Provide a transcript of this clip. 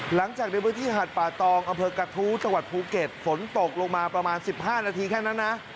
หลังจากในพื้นที่หาดป่าตองอำเภอกระทู้จังหวัดภูเก็ตฝนตกลงมาประมาณ๑๕นาทีแค่นั้นนะ